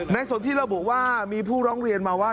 ในส่วนที่เราบอกว่ามีผู้ร้องเรียนมาว่า